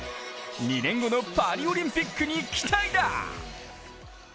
２年後のパリオリンピックに期待だ！